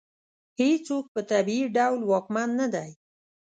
هېڅوک په طبیعي ډول واکمن نه دی.